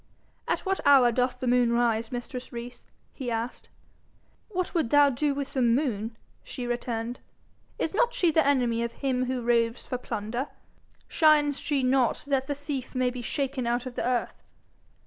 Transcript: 'At what hour doth the moon rise, mistress Rees?' he asked. 'What would thou with the moon?" she returned. "Is not she the enemy of him who roves for plunder? Shines she not that the thief may be shaken out of the earth?'